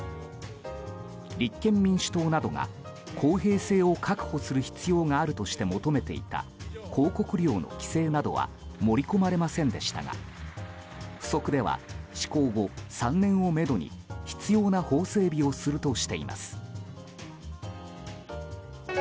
立憲民主党などが、公平性を確保する必要があるとして求めていた広告量の規制などは盛り込まれませんでしたが付則では施行後３年をめどに必要な法整備をするとしています。